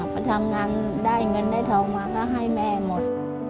ไปทำงานได้เงินได้เท่าไหร่ก็ให้แม่หมด